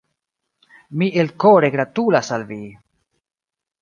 Mi elkore gratulas al vi!